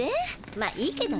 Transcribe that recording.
まいいけどね。